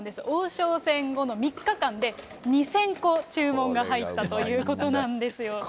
王将戦後の３日間で、２０００個注文が入ったということなんですよ。